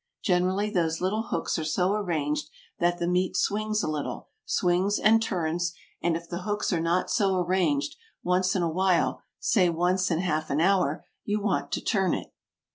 Generally those little hooks are so arranged that the meat swings a little swings and turns, and if the hooks are not so arranged, once in a while, say once in half an hour, you want to turn it.